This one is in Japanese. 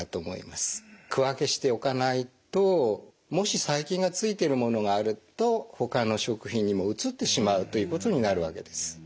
区分けしておかないともし細菌がついているものがあるとほかの食品にもうつってしまうということになるわけです。